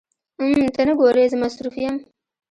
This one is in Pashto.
حم ته نه ګورې زه مصروف يم.